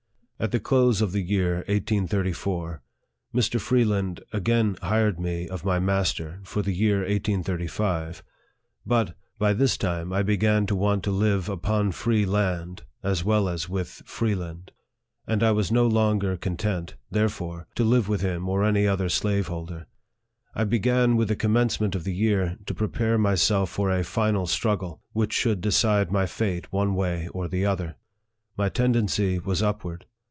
At the close of the year 1834, Mr. Freeland again hired me of my master, for the year 1835. But, by this time, I began to want to live upon free land as well as with Freeland ; and I was no longer content, there fore, to live with him or any other slaveholder. I began, with the commencement of the year, to prepare myself for a final struggle, which should decide my fate one way or the other. My tendency was upward.